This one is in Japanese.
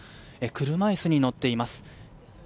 車椅子に乗っています。